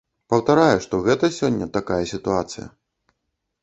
Паўтараю, што гэта сёння такая сітуацыя.